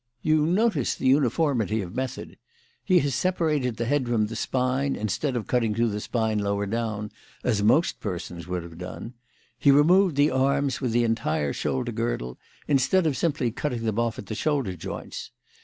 "You notice the uniformity of method. He has separated the head from the spine, instead of cutting through the spine lower down, as most persons would have done: he removed the arms with the entire shoulder girdle, instead of simply cutting them off at the shoulder joints.